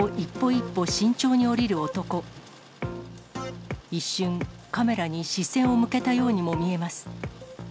一瞬、カメラに視線を向けたようにも見えます。